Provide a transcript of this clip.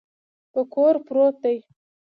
په کور پروت دی.